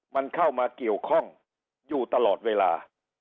มันเข้ามาเกี่ยวข้องอยู่ตลอดเวลา